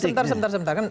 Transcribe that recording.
sebentar sebentar sebentar